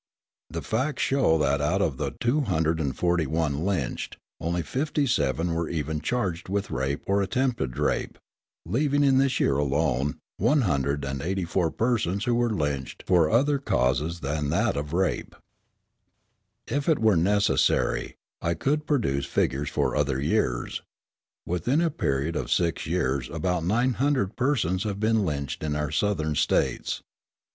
The facts show that, out of the 241 lynched, only 57 were even charged with rape or attempted rape, leaving in this year alone 184 persons who were lynched for other causes than that of rape. If it were necessary, I could produce figures for other years. Within a period of six years about 900 persons have been lynched in our Southern States.